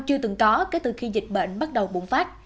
không từng có kể từ khi dịch bệnh bắt đầu bụng phát